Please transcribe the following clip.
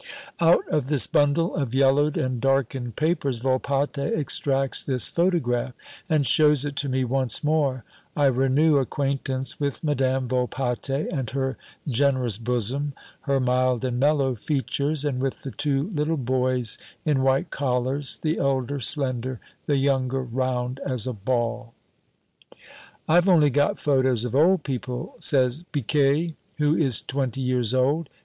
Out of this bundle of yellowed and darkened papers Volpatte extracts this photograph and shows it to me once more. I renew acquaintance with Madame Volpatte and her generous bosom, her mild and mellow features; and with the two little boys in white collars, the elder slender, the younger round as a ball. "I've only got photos of old people," says Biquet, who is twenty years old.